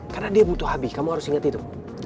karena dia butuh abi kamu harus inget itu